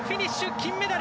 金メダル！